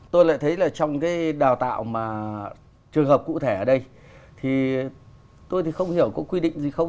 tôi lại thấy là trong cái đào tạo mà trường hợp cụ thể ở đây thì tôi thì không hiểu có quy định gì không